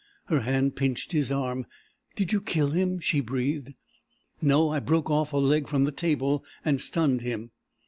Her hand pinched his arm. "Did you kill him?" she breathed. "No. I broke off a leg from the table and stunned him."